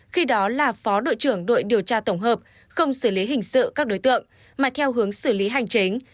khi đó là phó đội trưởng đội điều tra tổng hợp không xử lý hình sự các đối tượng mà theo hướng xử lý hành chính